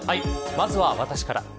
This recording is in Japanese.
まずは私から。